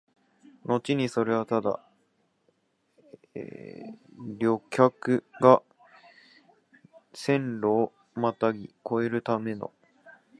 のちにそれはただ旅客が線路をまたぎ越えるための、